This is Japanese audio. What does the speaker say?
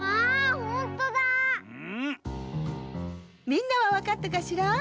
みんなはわかったかしら？